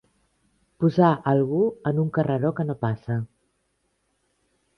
Posar algú en un carreró que no passa.